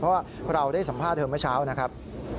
เพราะว่าเราได้สัมภาษณ์เธอเมื่อเช้านะครับ